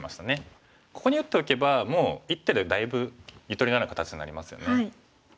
ここに打っておけばもう１手でだいぶゆとりのある形になりますよね。